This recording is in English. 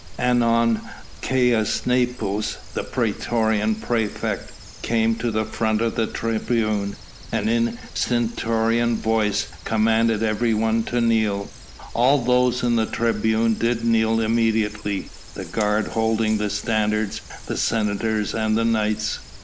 Anon Caius Nepos, the praetorian praefect, came to the front of the tribune, and in stentorian voice commanded everyone to kneel. All those in the tribune did kneel immediately, the guard holding the standards, the senators and the knights.